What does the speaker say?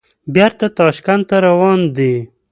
بېرته تاشکند ته روان دي.